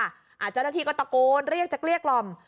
อาที่ก็ตะโกนเรียกจักเรียกล่อม